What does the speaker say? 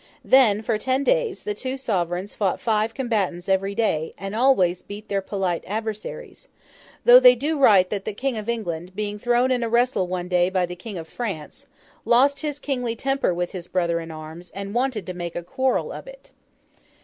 Then, for ten days, the two sovereigns fought five combats every day, and always beat their polite adversaries; though they do write that the King of England, being thrown in a wrestle one day by the King of France, lost his kingly temper with his brother in arms, and wanted to make a quarrel of it.